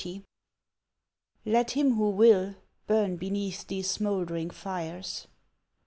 XL. Let him who will, burn beneath these smouldering fires.